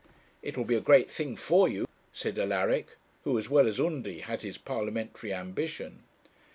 'It will be a great thing for you,' said Alaric, who, as well as Undy, had his Parliamentary ambition.